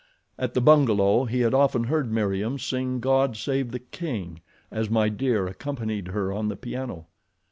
At the bungalow he had often heard Meriem sing God Save the King, as My Dear accompanied her on the piano.